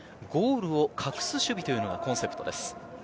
ゴールを隠す守備というのがコンセプトです。